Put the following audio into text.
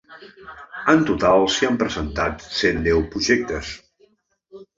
En total s’hi han presentat cent deu projectes.